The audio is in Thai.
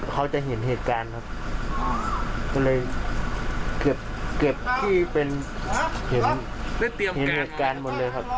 เขาจะเห็นเหตุการณ์ครับก็เลยเก็บที่เป็นเห็นเหตุการณ์หมดเลยครับ